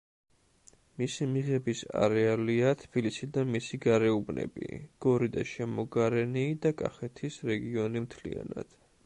მისი მიღების არეალია თბილისი და მისი გარეუბნები; გორი და შემოგარენი და კახეთის რეგიონი მთლიანად.